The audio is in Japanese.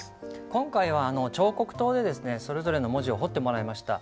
今回は彫刻刀でそれぞれの文字を彫ってもらいました。